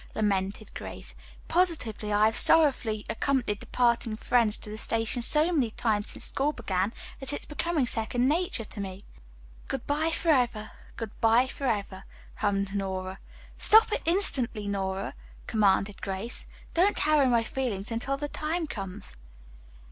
lamented Grace. "Positively I have sorrowfully accompanied departing friends to the station so many times since school began that it's becoming second nature to me." "Good bye, forever; good bye, forever," hummed Nora. "Stop it instantly, Nora," commanded Grace. "Don't harrow my feelings until the time comes."